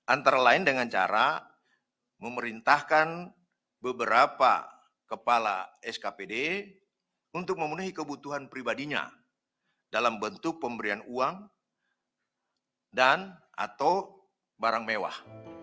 antara lain dengan cara memerintahkan beberapa kepala skpd untuk memenuhi kebutuhan pribadinya dalam bentuk pemberian uang dan atau barang mewah